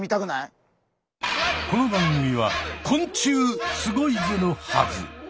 この番組は「昆虫すごいぜ！」のはず。